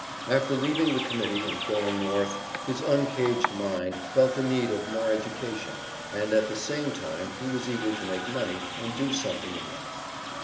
After leaving the Committee and going North his uncaged mind felt the need of more education, and at the same time he was eager to make money, and do something in life.